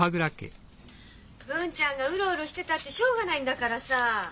文ちゃんがウロウロしてたってしょうがないんだからさぁ。